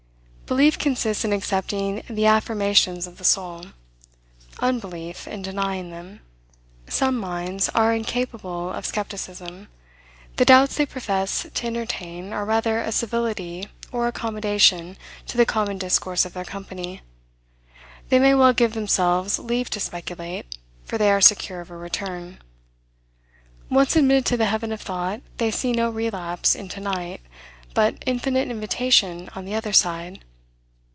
Belief consists in accepting the affirmations of the soul; unbelief in denying them. Some minds are incapable of skepticism. The doubts they profess to entertain are rather a civility or accommodation to the common discourse of their company. They may well give themselves leave to speculate, for they are secure of a return. Once admitted to the heaven of thought, they see no relapse into night, but infinite invitation on the other side.